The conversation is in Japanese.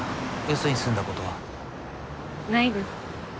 よそに住んだことは？ないです。